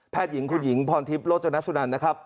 หญิงคุณหญิงพรทิพย์โรจนสุนันนะครับ